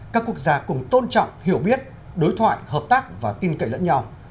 các quốc gia cùng tôn trọng hiểu biết đối thoại hợp tác và tin cậy lẫn nhau